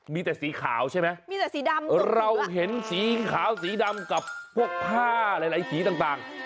มีแต่สีขาวใช่ไหมมีแต่สีดำเราเห็นสีขาวสีดำกับพวกผ้าหลายสีต่าง